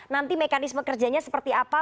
nanti mekanisme kerjanya seperti apa